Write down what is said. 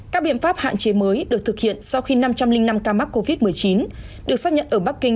các biện pháp hạn chế mới được thực hiện sau khi năm trăm linh năm ca mắc covid một mươi chín được xác nhận ở bắc kinh